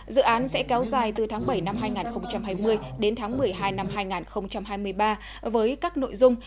dự án sẽ kéo dài từ tháng bảy năm hai nghìn hai mươi đến tháng một mươi hai năm hai nghìn hai mươi ba với các nội dung